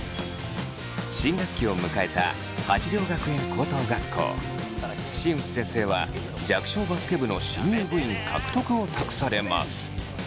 新学期を迎えた新内先生は弱小バスケ部の新入部員獲得を託されます。